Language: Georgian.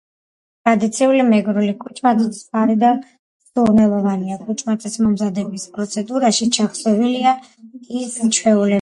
ტრადიციული მეგრული კუჭმაჭი ცხარე და სურნელოვანია. კუჭმაჭის მომზადების პროცედურაში ჩაქსოვილია ის ჩვეულებები